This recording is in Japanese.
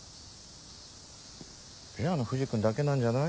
ペアの藤君だけなんじゃない？